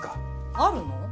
あるの？